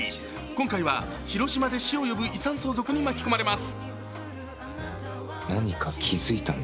今回は広島で死を呼ぶ遺産相続に巻き込まれます。